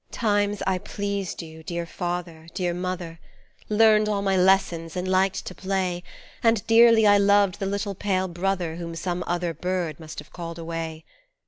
Times I pleased you, dear Father, dear Mother, Learned all my lessons and liked to play, And dearly I loved the little pale brother Whom some other bird must have called away.